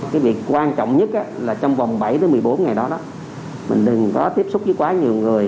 cái việc quan trọng nhất là trong vòng bảy một mươi bốn ngày đó đó mình đừng có tiếp xúc với quá nhiều người